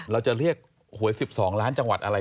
เราจะเรียกหวย๑๒ล้านจังหวัดอะไร